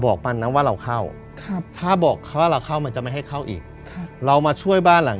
บอกมันนะว่าเราเข้าถ้าบอกเขาว่าเราเข้ามันจะไม่ให้เข้าอีกเรามาช่วยบ้านหลัง